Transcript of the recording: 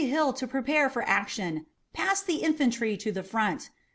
Hill to prepare for action! Pass the infantry to the front!